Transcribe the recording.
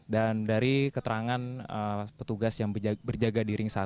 dan dari keterangan petugas yang berjaga di ring satu